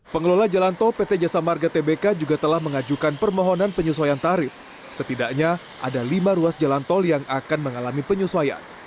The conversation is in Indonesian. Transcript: pengelola jalan tol pt jasa marga tbk juga telah mengajukan permohonan penyesuaian tarif setidaknya ada lima ruas jalan tol yang akan mengalami penyesuaian